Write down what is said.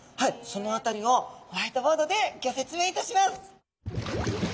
その辺りをホワイトボードでギョ説明いたします。